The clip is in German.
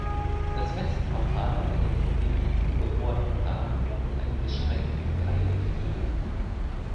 Das Westportal hat einen profilierten geohrten Rahmen und einen gesprengten Dreieckgiebel.